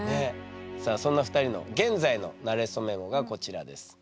さあそんな２人の現在のなれそメモがこちらです。